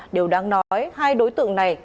đều đang nói hai đối tượng này